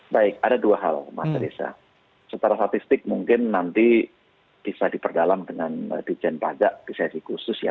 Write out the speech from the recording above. baik ada dua hal mas reza setara statistik mungkin nanti bisa diperdalam dengan dijen pajak di sesi khusus ya